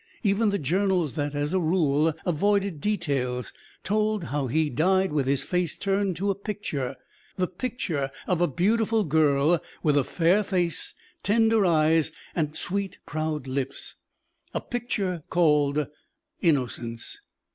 Even the journals that, as a rule, avoided details, told how he died with his face turned to a picture the picture of a beautiful girl with a fair face, tender eyes, and sweet, proud lips a picture called "Innocence."